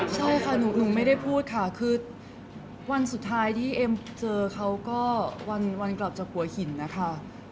ใช่ค่ะหนูไม่ได้พูดค่ะคือวันสุดท้ายที่เอ็มเจอเขาก็วันกลับจากหัวหินนะคะ